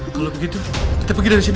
kalau begitu kita pergi dari sini